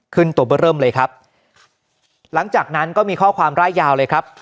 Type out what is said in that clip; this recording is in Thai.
ตัวเบอร์เริ่มเลยครับหลังจากนั้นก็มีข้อความร่ายยาวเลยครับ